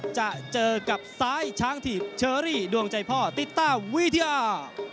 จะเจอกับซ้ายช้างถีบเชอรี่ดวงใจพ่อติดตามวิทยา